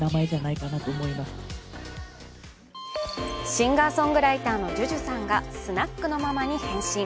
シンガーソングライターのＪＵＪＵさんがスナックのママに変身。